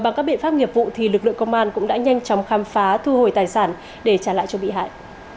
bằng các biện pháp nghiệp vụ lực lượng công an cũng đã nhanh chóng khám phá thu hồi tài sản để trả lại cho bị hại